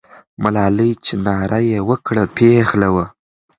ملالۍ چې ناره یې وکړه، پیغله وه.